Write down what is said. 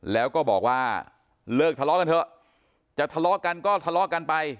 แล้วก็บอกว่าเลิกทะเลาะกันเถอะจะทะเลาะกันก็ทะเลาะกันไป